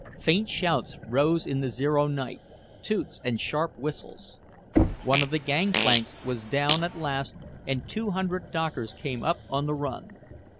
Faint shouts rose in the zero night, toots and sharp whistles. One of the gang planks was down at last and two hundred dockers came up on the run.